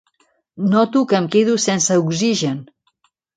Noto que em quedo sense oxigen.